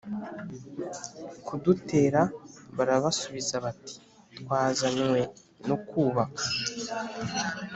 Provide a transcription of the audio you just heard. kudutera Barabasubiza bati Twazanywe no kubaka